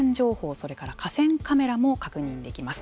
それから河川カメラも確認できます。